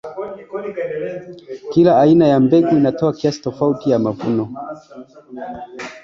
kila aina ya mbegu inatoa kiasi tofauti ya mavuno